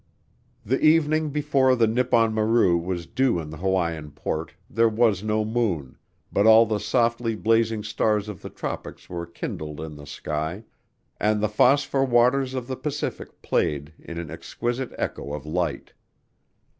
The evening before the Nippon Maru was due in the Hawaiian port there was no moon, but all the softly blazing stars of the tropics were kindled in the sky and the phosphor waters of the Pacific played in an exquisite echo of light.